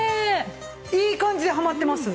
いい感じでハマってます。